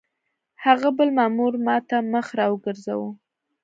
هغه بل مامور ما ته مخ را وګرځاوه.